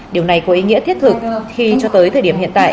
điều này có ý nghĩa thiết thực khi cho tới thời điểm hiện tại